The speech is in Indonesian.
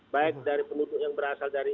baik dari penduduk yang berasal dari